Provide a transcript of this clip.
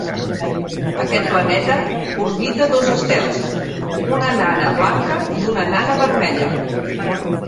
Aquest planeta orbita dos estels, una nana blanca i una nana vermella.